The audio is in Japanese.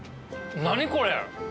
何これ。